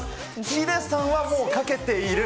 ヒデさんはもう書けている。